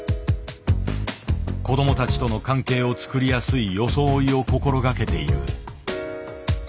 子どもたちとの関係をつくりやすい装いを心がけている。